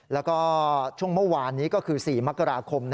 แล้วก็ช่วงเมื่อวานนี้ก็คือ๔มกราคม